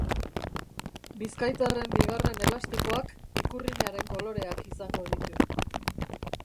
Bizkaitarren bigarren elastikoak ikurrinaren koloreak izango ditu.